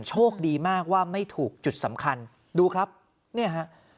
โชคดีมากว่าไม่ถูกจุดสำคัญดูครับเนี่ยฮะ